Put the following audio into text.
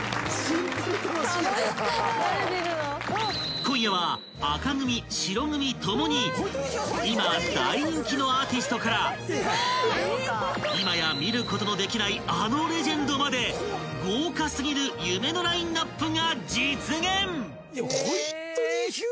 ［今夜は紅組白組共に今大人気のアーティストから今や見ることのできないあのレジェンドまで豪華過ぎる夢のラインアップが実現！］